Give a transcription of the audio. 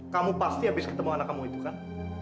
kamu pasti habis ketemu anak kamu itu kan